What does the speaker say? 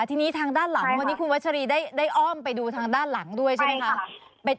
ทีนี้ทางด้านหลังวันนี้คุณวัชรีได้อ้อมไปดูทางด้านหลังด้วยใช่ไหมคะ